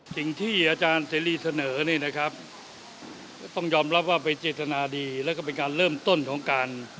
สิ่งที่อาจารย์เสรีเสนอนี่นะครับต้องยอมรับว่าเป็นเจตนาดีแล้วก็เป็นการเริ่มต้นของการ